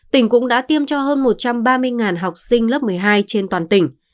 tỉnh cũng đã tiêm cho hơn một trăm ba mươi học sinh lớp một mươi hai trên toàn tỉnh